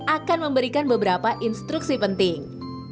akan memberikan beberapa instruksi penting